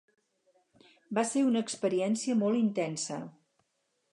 Va ser una experiència molt intensa.